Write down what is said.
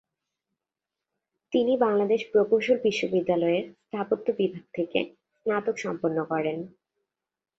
তিনি বাংলাদেশ প্রকৌশল বিশ্ববিদ্যালয়ের স্থাপত্য বিভাগ থেকে স্নাতক সম্পন্ন করেন।